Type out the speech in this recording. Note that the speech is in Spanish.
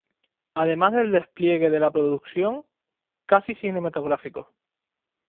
Además del despliegue de la producción, casi cinematográfico.